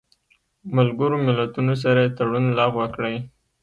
ملګرو ملتونو سره یې تړون لغوه کړی